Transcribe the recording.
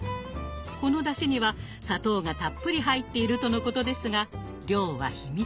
このだしには砂糖がたっぷり入っているとのことですが量は秘密。